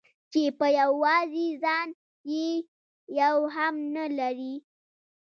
چې په يوازې ځان يې يو هم نه لري.